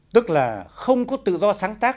tức là không có tự do sáng tác